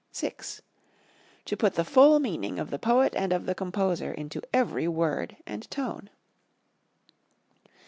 VI. To put the full meaning of the poet and of the composer into every word and tone.